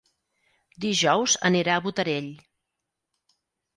Dijous anirà a Botarell.